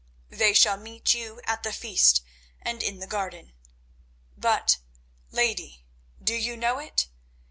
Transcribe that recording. They shall meet you at the feast and in the garden. But, lady, do you know it?